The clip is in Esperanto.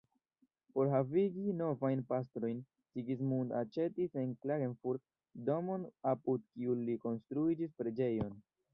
Por havigi novajn pastrojn Sigismund aĉetis en Klagenfurt domon apud kiu li konstruigis preĝejon.